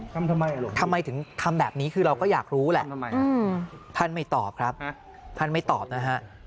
ทำไมลูกทำไมถึงทำแบบนี้คือเราก็อยากรู้แหละท่านไม่ตอบครับท่านไม่ตอบนะฮะ